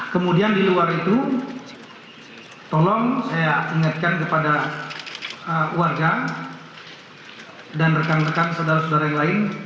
kemudian di luar itu tolong saya ingatkan kepada warga dan rekan rekan saudara saudara yang lain